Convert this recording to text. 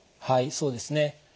はいそうですね。